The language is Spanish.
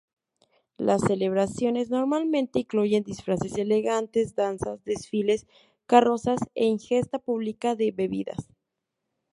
Las celebraciones normalmente incluyen disfraces elegantes, danzas, desfiles, carrozas e ingesta pública de bebidas.